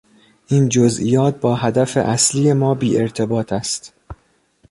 این جزئیات با هدف اصلی ما بی ارتباط است.